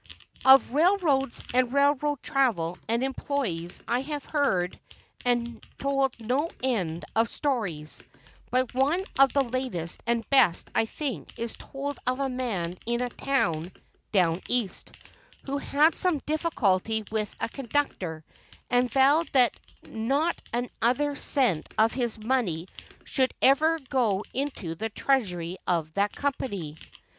Of railroads and railroad travel and employees I have heard and told no end of stories; but one of the latest and best, I think, is told of a man in a town "down East," who had some difficulty with a conductor, and vowed that not another cent of his money should ever go into the treasury of that company.